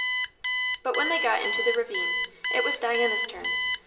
But when they got into the ravine, it was Diana's turn.